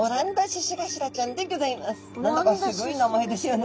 何だかすごい名前ですよね。